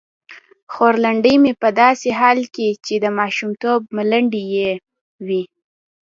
خورلنډې مې په داسې حال کې چې د ماشومتوب ملنډې یې وې.